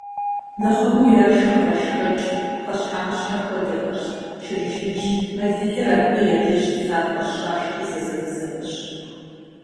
Нэхъыбэу яшхыр гъэшхэкӀ, пхъэщхьэмыщхьэ хуэдэхэрщ, чыржынщ, мэлылыр абы я дей щылъапӀэщ, щашхри зэзэмызэххэщ.